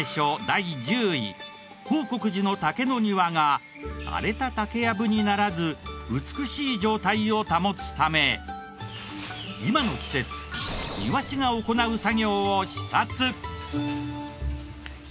第１０位報国寺の竹の庭が荒れた竹やぶにならず美しい状態を保つため今の季節庭師が行う作業を視察。